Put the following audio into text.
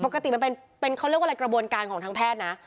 มันเป็นเขาเรียกว่าอะไรกระบวนการของทางแพทย์นะ